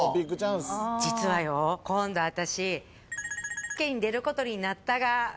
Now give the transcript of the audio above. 実はよ今度私○○家に出ることになったが」